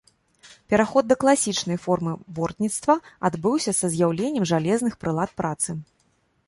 Пераход да класічнай формы бортніцтва адбыўся са з'яўленнем жалезных прылад працы.